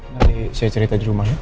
nanti saya cerita di rumah ya